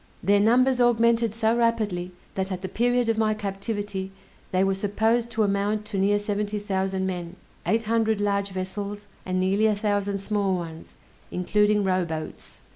Their numbers augmented so rapidly, that at the period of my captivity they were supposed to amount to near seventy thousand men, eight hundred large vessels, and nearly a thousand small ones, including rowboats.